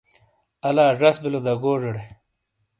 الا زش بِلو دا گوزیڑے